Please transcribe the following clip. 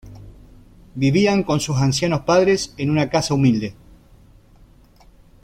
Vivían con sus ancianos padres en una casa humilde.